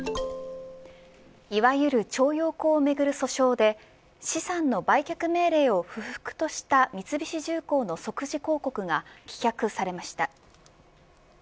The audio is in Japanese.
いわゆる徴用工をめぐる訴訟で資産の売却命令を不服とした三菱重工の即時抗告が棄却されました。